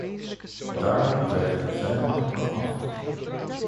Daarom wijs ik zijn aanpak af.